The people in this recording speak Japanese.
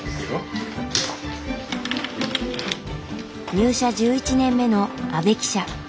入社１１年目の阿部記者。